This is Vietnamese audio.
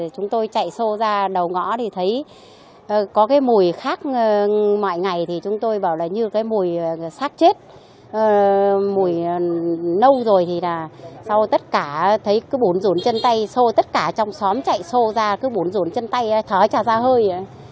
chúng tôi chạy xô ra đầu ngõ thì thấy có cái mùi khác mọi ngày thì chúng tôi bảo là như cái mùi sát chết mùi nâu rồi thì là sau tất cả thấy cứ bốn rốn chân tay xô tất cả trong xóm chạy xô ra cứ bốn rốn chân tay thở trả ra hơi